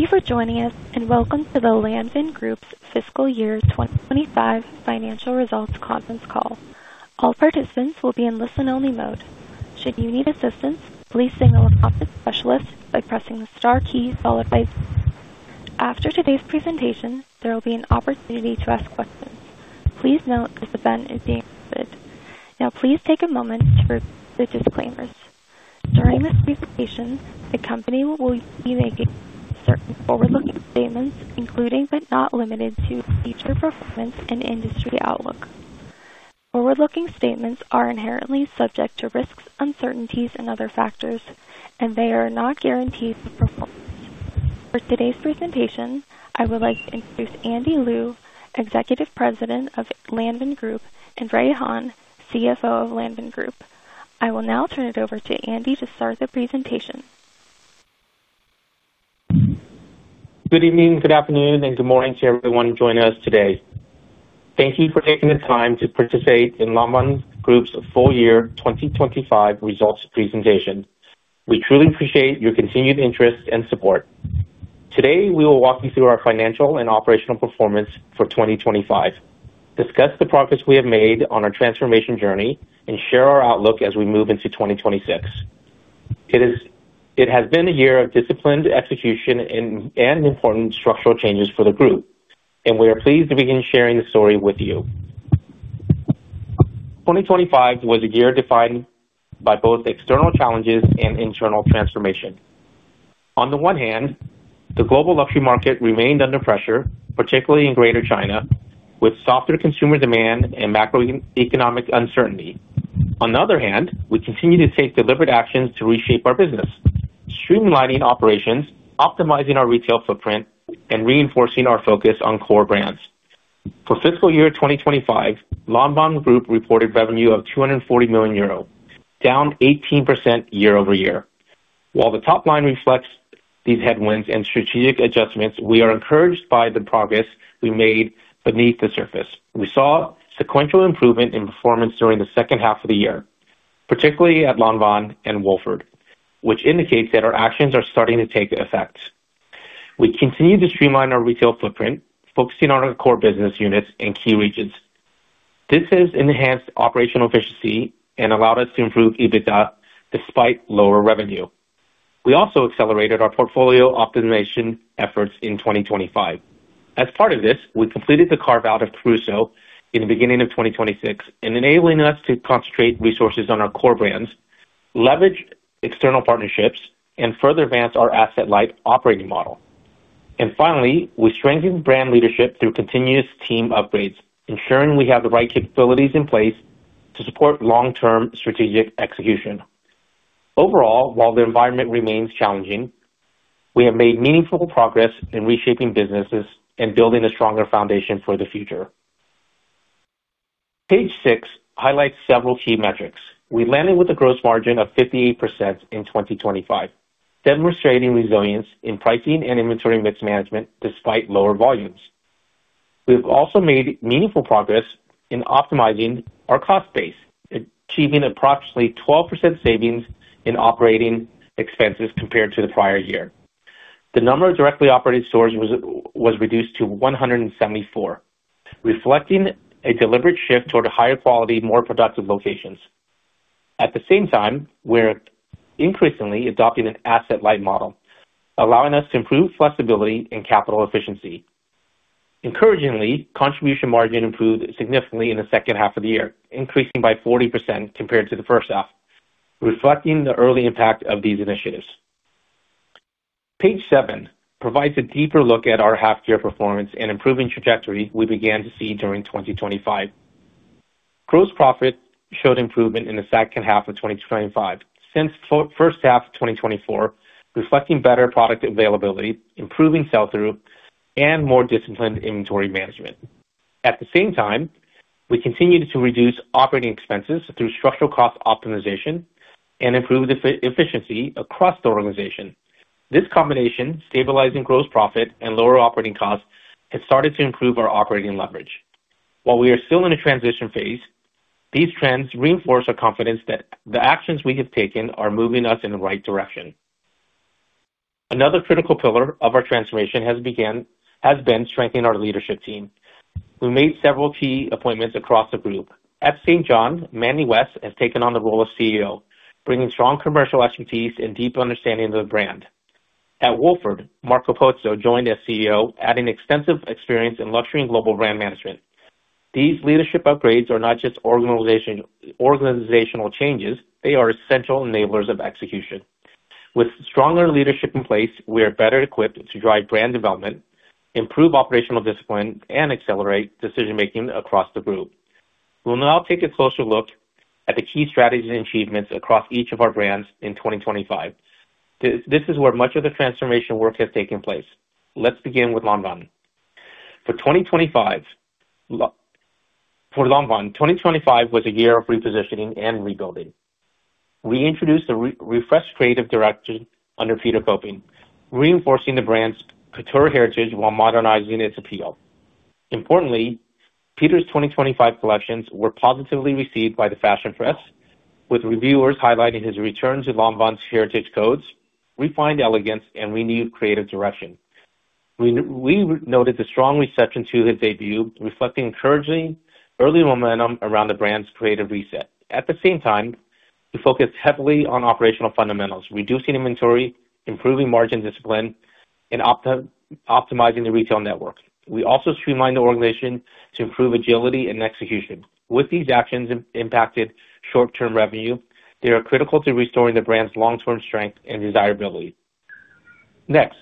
Thank you for joining us, and welcome to the Lanvin Group's fiscal year 2025 financial results conference call. All participants will be in listen-only mode. Should you need assistance, please single a specialist by pressing the star key followed by zero. After today's presentation, there will be an opportunity to ask questions. Please note this event is being recorded. Now, please take a moment to review the disclaimers. During this presentation, the company will be making certain forward-looking statements, including but not limited to, future performance and industry outlook. Forward-looking statements are inherently subject to risks, uncertainties, and other factors, and they are not guarantees of performance. For today's presentation, I would like to introduce Andy Lew, Executive President of Lanvin Group, and Ray Han, CFO of Lanvin Group. I will now turn it over to Andy to start the presentation. Good evening, good afternoon, and good morning to everyone joining us today. Thank you for taking the time to participate in Lanvin Group's full-year 2025 results presentation. We truly appreciate your continued interest and support. Today, we will walk you through our financial and operational performance for 2025, discuss the progress we have made on our transformation journey, and share our outlook as we move into 2026. It has been a year of disciplined execution and important structural changes for the group, and we are pleased to begin sharing the story with you. 2025 was a year defined by both external challenges and internal transformation. On the one hand, the global luxury market remained under pressure, particularly in Greater China, with softer consumer demand and macroeconomic uncertainty. On the other hand, we continue to take deliberate actions to reshape our business, streamlining operations, optimizing our retail footprint, and reinforcing our focus on core brands. For fiscal year 2025, Lanvin Group reported revenue of 240 million euro, down 18% year-over-year. While the top line reflects these headwinds and strategic adjustments, we are encouraged by the progress we made beneath the surface. We saw sequential improvement in performance during the second half of the year, particularly at Lanvin and Wolford, which indicates that our actions are starting to take effect. We continue to streamline our retail footprint, focusing on our core business units and key regions. This has enhanced operational efficiency and allowed us to improve EBITDA despite lower revenue. We also accelerated our portfolio optimization efforts in 2025. As part of this, we completed the carve-out of Caruso in the beginning of 2026, enabling us to concentrate resources on our core brands, leverage external partnerships, and further advance our asset-light operating model. Finally, we strengthened brand leadership through continuous team upgrades, ensuring we have the right capabilities in place to support long-term strategic execution. Overall, while the environment remains challenging, we have made meaningful progress in reshaping businesses and building a stronger foundation for the future. Page six highlights several key metrics. We landed with a gross margin of 58% in 2025, demonstrating resilience in pricing and inventory mix management despite lower volumes. We've also made meaningful progress in optimizing our cost base, achieving approximately 12% savings in operating expenses compared to the prior year. The number of directly operated stores was reduced to 174, reflecting a deliberate shift toward higher quality, more productive locations. At the same time, we're increasingly adopting an asset-light model, allowing us to improve flexibility and capital efficiency. Encouragingly, contribution margin improved significantly in the second half of the year, increasing by 40% compared to the first half, reflecting the early impact of these initiatives. Page seven provides a deeper look at our half year performance and improving trajectory we began to see during 2025. Gross profit showed improvement in the second half of 2025 since first half of 2024, reflecting better product availability, improving sell-through, and more disciplined inventory management. At the same time, we continued to reduce operating expenses through structural cost optimization and improve efficiency across the organization. This combination, stabilizing gross profit and lower operating costs, has started to improve our operating leverage. While we are still in a transition phase, these trends reinforce our confidence that the actions we have taken are moving us in the right direction. Another critical pillar of our transformation has been strengthening our leadership team. We made several key appointments across the group. At St. John, Mandy West has taken on the role of CEO, bringing strong commercial expertise and deep understanding of the brand. At Wolford, Marco Pozzo joined as CEO, adding extensive experience in luxury and global brand management. These leadership upgrades are not just organizational changes, they are essential enablers of execution. With stronger leadership in place, we are better equipped to drive brand development, improve operational discipline, and accelerate decision-making across the group. We'll now take a closer look at the key strategies and achievements across each of our brands in 2025. This is where much of the transformation work has taken place. Let's begin with Lanvin. For Lanvin, 2025 was a year of repositioning and rebuilding. We introduced a refreshed creative direction under Peter Copping, reinforcing the brand's couture heritage while modernizing its appeal. Importantly, Peter's 2025 collections were positively received by the fashion press, with reviewers highlighting his return to Lanvin's heritage codes, refined elegance, and renewed creative direction. We noted the strong reception to his debut, reflecting encouraging early momentum around the brand's creative reset. At the same time, we focused heavily on operational fundamentals, reducing inventory, improving margin discipline, and optimizing the retail network. We also streamlined the organization to improve agility and execution. With these actions impacted short-term revenue, they are critical to restoring the brand's long-term strength and desirability. Next,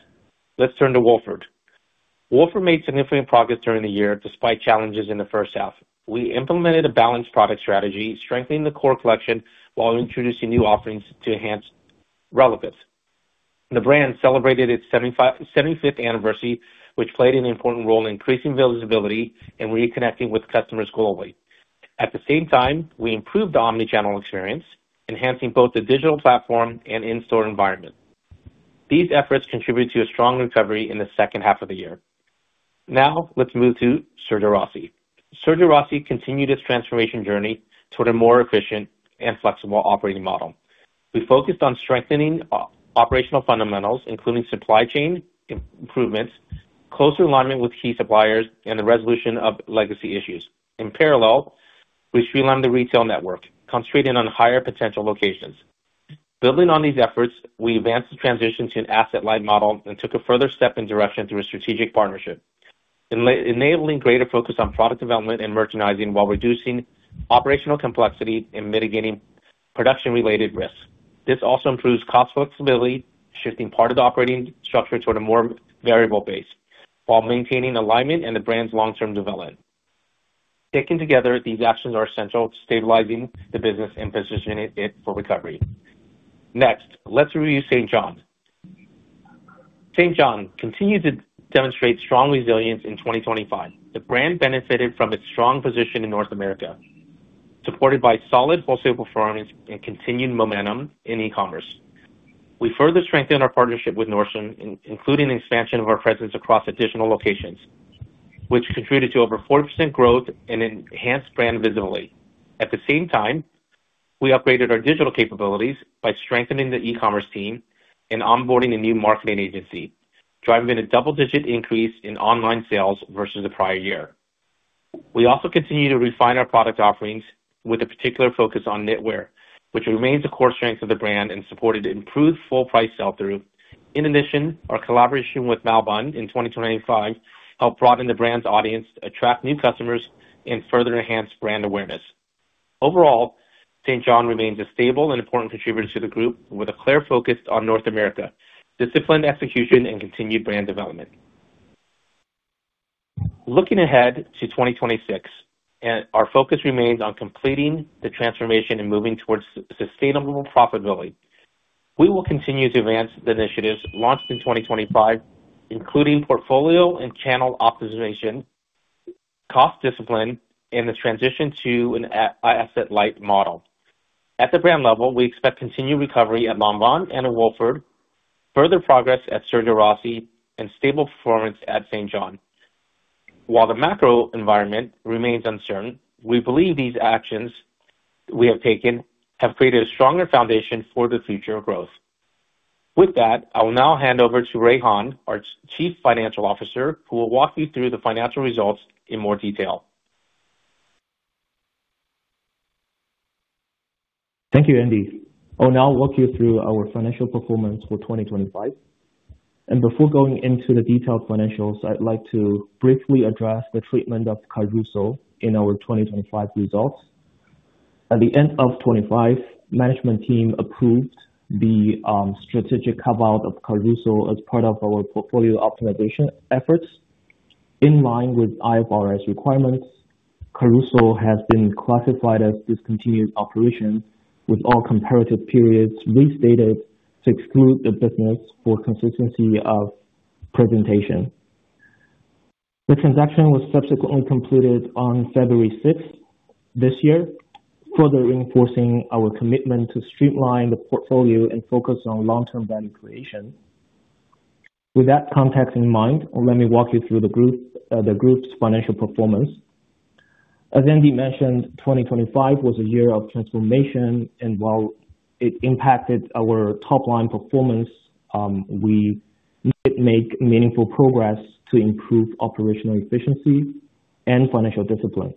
let's turn to Wolford. Wolford made significant progress during the year, despite challenges in the first half. We implemented a balanced product strategy, strengthening the core collection while introducing new offerings to enhance relevance. The brand celebrated its 75th anniversary, which played an important role in increasing visibility and reconnecting with customers globally. At the same time, we improved the omni-channel experience, enhancing both the digital platform and in-store environment. These efforts contributed to a strong recovery in the second half of the year. Now let's move to Sergio Rossi. Sergio Rossi continued its transformation journey toward a more efficient and flexible operating model. We focused on strengthening operational fundamentals, including supply chain improvements, closer alignment with key suppliers, and the resolution of legacy issues. In parallel, we streamlined the retail network, concentrating on higher potential locations. Building on these efforts, we advanced the transition to an asset-light model and took a further step in direction through a strategic partnership, enabling greater focus on product development and merchandising while reducing operational complexity and mitigating production-related risk. This also improves cost flexibility, shifting part of the operating structure toward a more variable base while maintaining alignment and the brand's long-term development. Taken together, these actions are essential to stabilizing the business and positioning it for recovery. Let's review St. John. St. John continued to demonstrate strong resilience in 2025. The brand benefited from its strong position in North America, supported by solid wholesale performance and continued momentum in e-commerce. We further strengthened our partnership with Nordstrom, including the expansion of our presence across additional locations, which contributed to over 40% growth and enhanced brand visibility. At the same time, we upgraded our digital capabilities by strengthening the e-commerce team and onboarding a new marketing agency, driving a double-digit increase in online sales versus the prior year. We also continue to refine our product offerings with a particular focus on knitwear, which remains a core strength of the brand and supported improved full price sell-through. In addition, our collaboration with Malbon in 2025 helped broaden the brand's audience, attract new customers, and further enhance brand awareness. Overall, St. John remains a stable and important contributor to the group with a clear focus on North America, disciplined execution, and continued brand development. Looking ahead to 2026, our focus remains on completing the transformation and moving towards sustainable profitability. We will continue to advance the initiatives launched in 2025, including portfolio and channel optimization, cost discipline, and the transition to an asset-light model. At the brand level, we expect continued recovery at Lanvin and at Wolford, further progress at Sergio Rossi, and stable performance at St. John. While the macro environment remains uncertain, we believe these actions we have taken have created a stronger foundation for the future growth. With that, I will now hand over to Ray Han, our Chief Financial Officer, who will walk you through the financial results in more detail. Thank you, Andy. I'll now walk you through our financial performance for 2025. Before going into the detailed financials, I'd like to briefly address the treatment of Caruso in our 2025 results. At the end of 2025, management team approved the strategic carve-out of Caruso as part of our portfolio optimization efforts. In line with IFRS requirements, Caruso has been classified as discontinued operation, with all comparative periods restated to exclude the business for consistency of presentation. The transaction was subsequently completed on February 6th this year, further reinforcing our commitment to streamline the portfolio and focus on long-term value creation. With that context in mind, let me walk you through the group's financial performance. As Andy mentioned, 2025 was a year of transformation, and while it impacted our top-line performance, we did make meaningful progress to improve operational efficiency and financial discipline.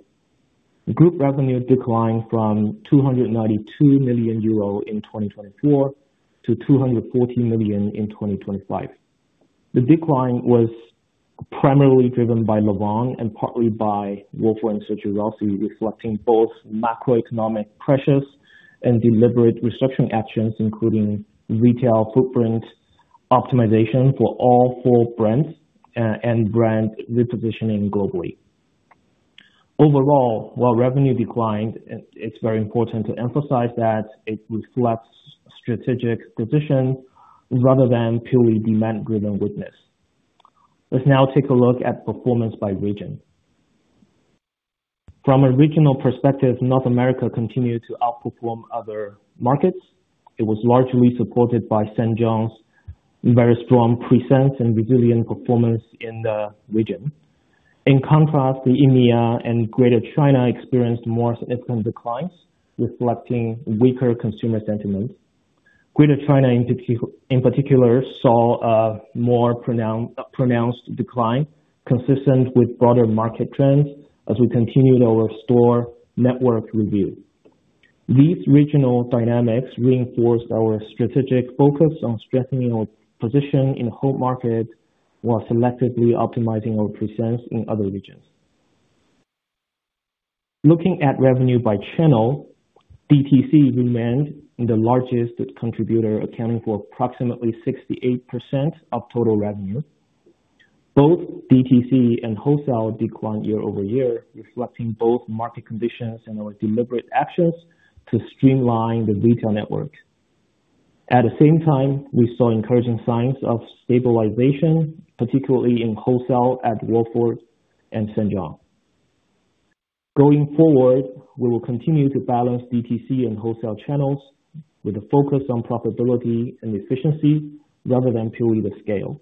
Group revenue declined from 292 million euro in 2024 to 214 million in 2025. The decline was primarily driven by Lanvin and partly by Wolford and Sergio Rossi, reflecting both macroeconomic pressures and deliberate restructuring actions, including retail footprint optimization for all four brands, and brand repositioning globally. Overall, while revenue declined, it's very important to emphasize that it reflects strategic positions rather than purely demand-driven weakness. Let's now take a look at performance by region. From a regional perspective, North America continued to outperform other markets. It was largely supported by St. John's very strong presence and resilient performance in the region. In contrast, the EMEA and Greater China experienced more significant declines, reflecting weaker consumer sentiment. Greater China in particular, saw a more pronounced decline consistent with broader market trends as we continued our store network review. These regional dynamics reinforced our strategic focus on strengthening our position in home market while selectively optimizing our presence in other regions. Looking at revenue by channel, DTC remained the largest contributor, accounting for approximately 68% of total revenue. Both DTC and wholesale declined year-over-year, reflecting both market conditions and our deliberate actions to streamline the retail network. At the same time, we saw encouraging signs of stabilization, particularly in wholesale at Wolford and St. John. Going forward, we will continue to balance DTC and wholesale channels with a focus on profitability and efficiency rather than purely the scale.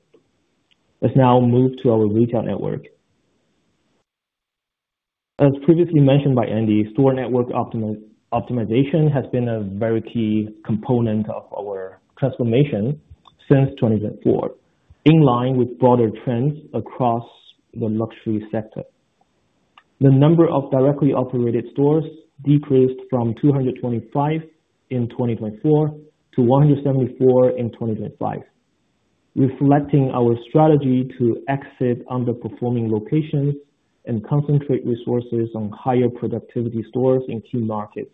Let's now move to our retail network. As previously mentioned by Andy, store network optimization has been a very key component of our transformation since 2024, in line with broader trends across the luxury sector. The number of directly operated stores decreased from 225 in 2024 to 174 in 2025, reflecting our strategy to exit underperforming locations and concentrate resources on higher productivity stores in key markets.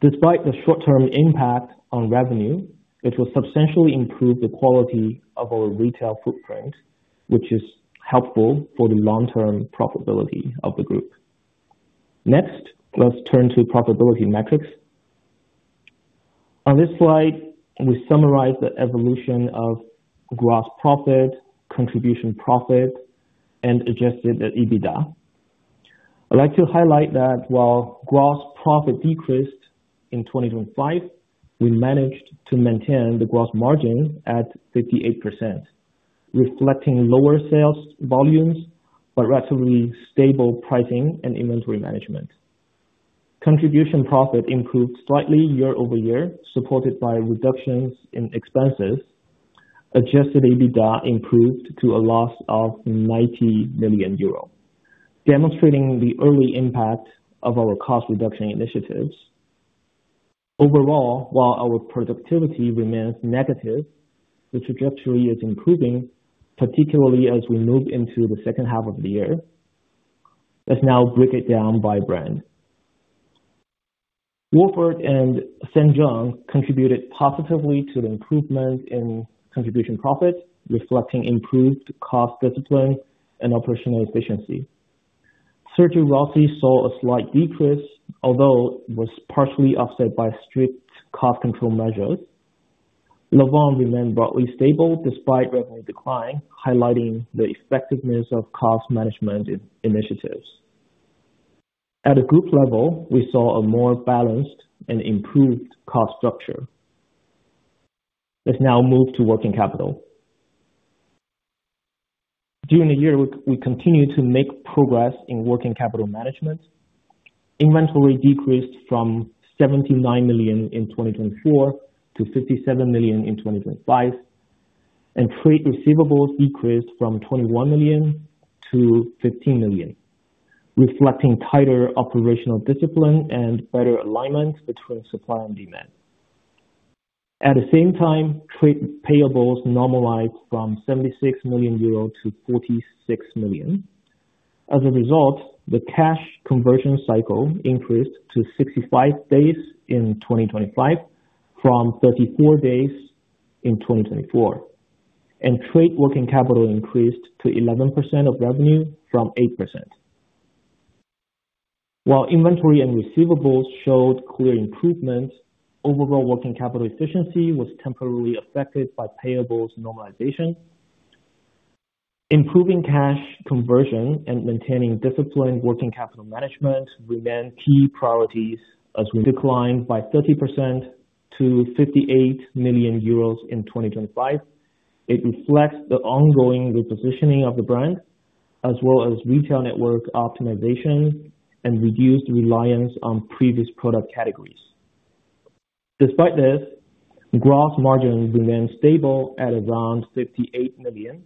Despite the short-term impact on revenue, it will substantially improve the quality of our retail footprint, which is helpful for the long-term profitability of the group. Next, let's turn to profitability metrics. On this slide, we summarize the evolution of gross profit, contribution profit, and adjusted EBITDA. I'd like to highlight that while gross profit decreased in 2025, we managed to maintain the gross margin at 58%, reflecting lower sales volumes but relatively stable pricing and inventory management. Contribution profit improved slightly year-over-year, supported by reductions in expenses. Adjusted EBITDA improved to a loss of 90 million euro, demonstrating the early impact of our cost reduction initiatives. Overall, while our productivity remains negative, the trajectory is improving, particularly as we move into the second half of the year. Let's now break it down by brand. Wolford and St. John contributed positively to the improvement in Contribution profit, reflecting improved cost discipline and operational efficiency. Sergio Rossi saw a slight decrease, although it was partially offset by strict cost control measures. Lanvin remained broadly stable despite revenue decline, highlighting the effectiveness of cost management initiatives. At a group level, we saw a more balanced and improved cost structure. Let's now move to working capital. During the year, we continued to make progress in working capital management. Inventory decreased from 79 million in 2024 to 57 million in 2025, and trade receivables decreased from 21 million-15 million, reflecting tighter operational discipline and better alignment between supply and demand. At the same time, trade payables normalized from 76 million-46 million euro. As a result, the cash conversion cycle increased to 65 days in 2025 from 34 days in 2024, and trade working capital increased to 11% of revenue from 8%. While inventory and receivables showed clear improvement, overall working capital efficiency was temporarily affected by payables normalization. Improving cash conversion and maintaining disciplined working capital management remain key priorities as declined by 30% to 58 million euros in 2025. It reflects the ongoing repositioning of the brand as well as retail network optimization and reduced reliance on previous product categories. Despite this, gross margin remained stable at around 58 million,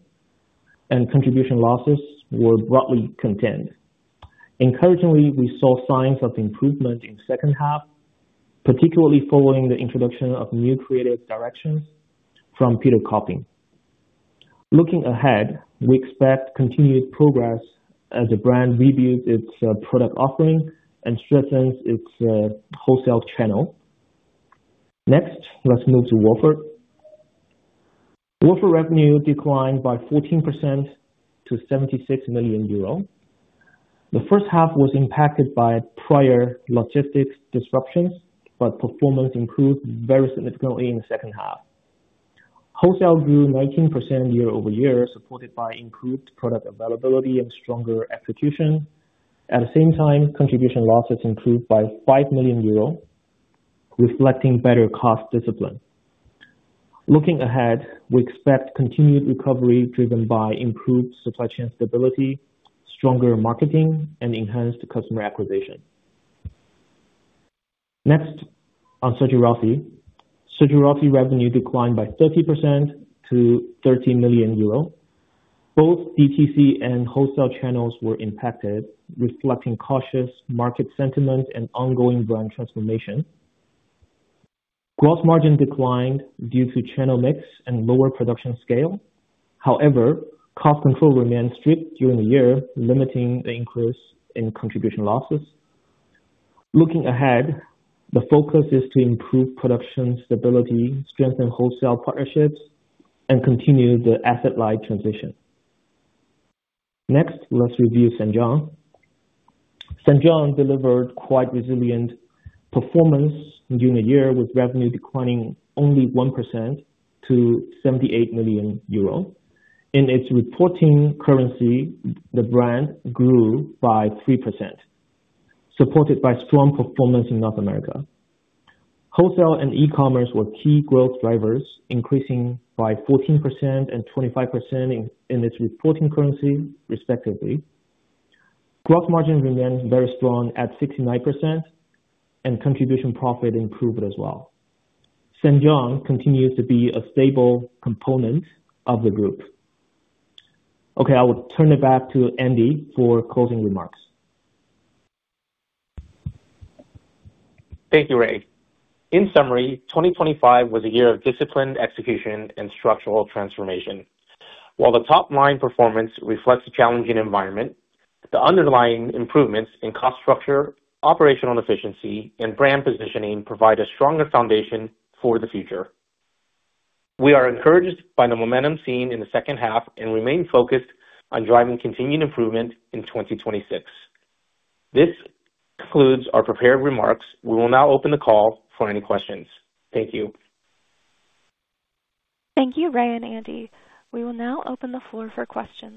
and contribution losses were broadly contained. Encouragingly, we saw signs of improvement in second half, particularly following the introduction of new creative directions from Peter Copping. Looking ahead, we expect continued progress as the brand reviews its product offering and strengthens its wholesale channel. Let's move to Wolford. Wolford revenue declined by 14% to 76 million euro. The first half was impacted by prior logistics disruptions, but performance improved very significantly in the second half. Wholesale grew 19% year-over-year, supported by improved product availability and stronger execution. At the same time, contribution losses improved by 5 million euro, reflecting better cost discipline. Looking ahead, we expect continued recovery driven by improved supply chain stability, stronger marketing and enhanced customer acquisition. Next, on Sergio Rossi. Sergio Rossi revenue declined by 30% to 13 million euro. Both DTC and wholesale channels were impacted, reflecting cautious market sentiment and ongoing brand transformation. Gross margin declined due to channel mix and lower production scale. However, cost control remained strict during the year, limiting the increase in contribution losses. Looking ahead, the focus is to improve production stability, strengthen wholesale partnerships, and continue the asset-light transition. Next, let's review St. John. St. John delivered quite resilient performance during the year, with revenue declining only 1% to 78 million euro. In its reporting currency, the brand grew by 3%, supported by strong performance in North America. Wholesale and e-commerce were key growth drivers, increasing by 14% and 25% in its reporting currency, respectively. Gross margin remains very strong at 69%, and contribution profit improved as well. St. John continues to be a stable component of the group. Okay, I will turn it back to Andy for closing remarks. Thank you, Ray. In summary, 2025 was a year of disciplined execution and structural transformation. While the top-line performance reflects a challenging environment, the underlying improvements in cost structure, operational efficiency and brand positioning provide a stronger foundation for the future. We are encouraged by the momentum seen in the second half and remain focused on driving continued improvement in 2026. This concludes our prepared remarks. We will now open the call for any questions. Thank you. Thank you, Ray and Andy. We will now open the floor for questions.